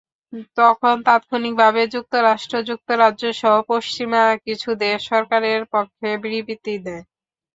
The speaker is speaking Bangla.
তখন তাৎক্ষণিকভাবে যুক্তরাষ্ট্র, যুক্তরাজ্যসহ পশ্চিমা কিছু দেশ সরকারের পক্ষে বিবৃতি দেয়।